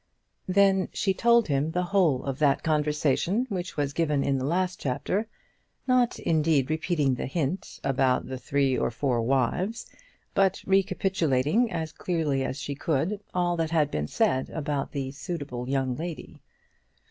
Then she told him the whole of that conversation which was given in the last chapter, not indeed repeating the hint about the three or four wives, but recapitulating as clearly as she could all that had been said about the suitable young lady.